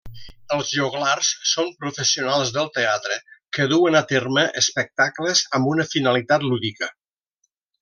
Els joglars són professionals del teatre que duen a terme espectacles amb una finalitat lúdica.